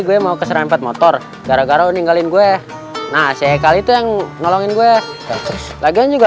gue mau keserampet motor gara gara meninggalin gue nah sekali itu yang nolongin gue lagi juga